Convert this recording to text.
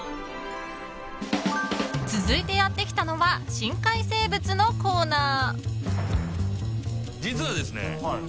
続いてやってきたのは深海生物のコーナー。